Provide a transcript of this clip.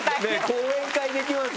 講演会できますよね。